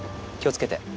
気をつけて。